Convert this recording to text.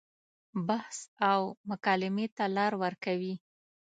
بحث او مکالمې ته لار ورکوي.